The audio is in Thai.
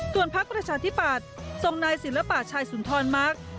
ส่วนพรรคประชาธิบัติทรงนายศิลปะชายสุนทรมาก